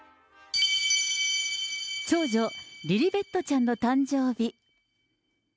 長女、リリベットちゃんの誕生日。